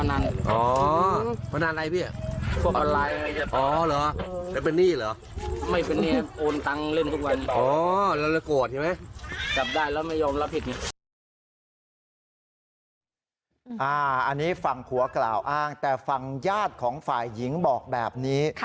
อันนี้ฝั่งผัวกล่าวอ้างแต่ฝั่งญาติของฝ่ายหญิงบอกแบบนี้